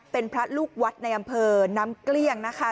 เป็นพระลูกวัดในอำเภอน้ำเกลี้ยงนะคะ